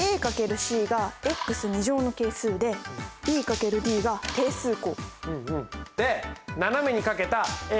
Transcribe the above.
「ｃが２乗の係数」「ｂｄが定数項」